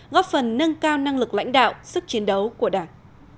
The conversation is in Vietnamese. góp phần nâng cao năng lực lãnh đạo sức chiến đấu của đảng